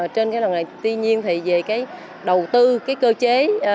trên cái làm nghề này tuy nhiên thì về đầu tư cơ chế